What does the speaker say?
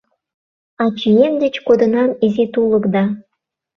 Ачием деч кодынам изи тулык да